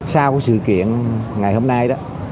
sau sự kiện ngày hôm nay